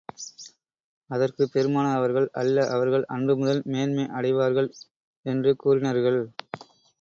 அதற்குப் பெருமானார் அவர்கள், அல்ல அவர்கள் அன்று முதல் மேன்மை அடைவார்கள் என்று கூறினர்கள்.